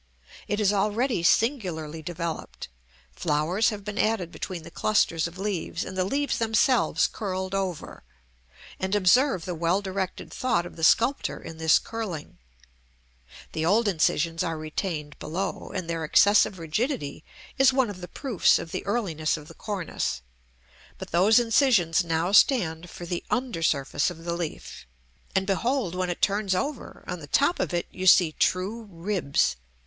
It is already singularly developed; flowers have been added between the clusters of leaves, and the leaves themselves curled over: and observe the well directed thought of the sculptor in this curling; the old incisions are retained below, and their excessive rigidity is one of the proofs of the earliness of the cornice; but those incisions now stand for the under surface of the leaf; and behold, when it turns over, on the top of it you see true ribs.